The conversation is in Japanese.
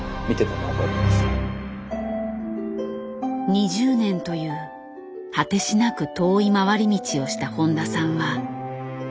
２０年という果てしなく遠い回り道をした誉田さんは今思う。